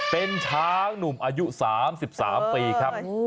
เป็นช้างหนุ่มอายุ๓๓ปีครับ